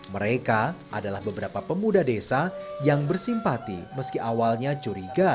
mereka adalah beberapa pemuda desa yang bersimpati meski awalnya curiga